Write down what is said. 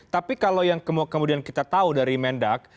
tapi kalau yang kemudian kita tahu dari mendak